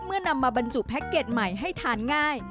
เมื่อนำมาบรรจุแพ็คเก็ตใหม่ให้ทานง่าย